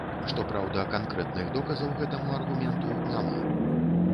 Што праўда, канкрэтных доказаў гэтаму аргументу няма.